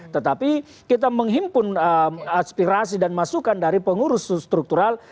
tetapi kita menghimpun aspirasi dan masukan dari pengurus struktural